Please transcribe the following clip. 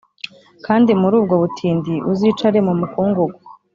kandi muri ubwo butindi, uzicare mu mukungugu.